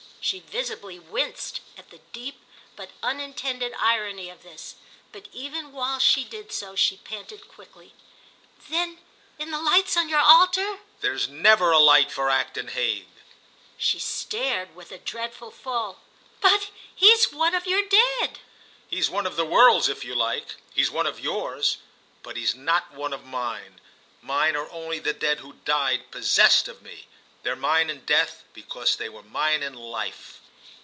She visibly winced at the deep but unintended irony of this; but even while she did so she panted quickly: "Then in the lights on your altar—?" "There's never a light for Acton Hague!" She stared with a dreadful fall, "But if he's one of your Dead?" "He's one of the world's, if you like—he's one of yours. But he's not one of mine. Mine are only the Dead who died possessed of me. They're mine in death because they were mine in life."